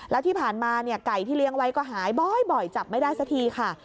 แล้วที่ผ่านมาไก่ที่เลี้ยงไว้ก็หายบ่อยจับไม่ได้สักทีค่ะ